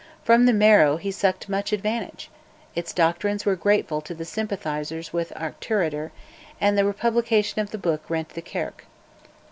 From the Marrow he sucked much advantage: its doctrines were grateful to the sympathisers with Auchterarder, and the republication of the book rent the Kirk.